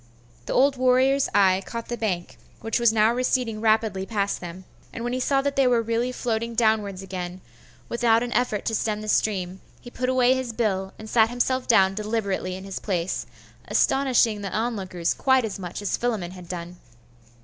The old warrior's eye caught the bank, which was now receding rapidly past them; and when he saw that they were really floating downwards again, without an effort to stem the stream, he put away his bill, and sat himself down deliberately in his place, astonishing the onlookers quite as much as Philammon had done.